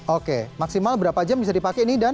oke maksimal berapa jam bisa dipakai nih